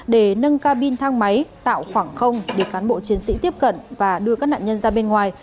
để nâng ca bin thang máy tạo khoảng không để cán bộ chiến sĩ tiếp cận và đưa các nạn nhân ra bên ngoài